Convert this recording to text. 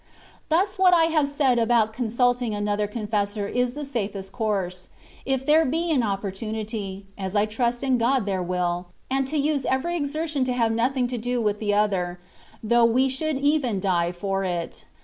Thus what I have said about consulting another con fessor is the safest course, if there be an oppor tunity (as I trust in God there will), and to use every exertion to have nothing to do with the other, though we should even die for it.